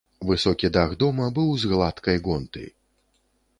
Высокі дах дома быў з гладкай гонты.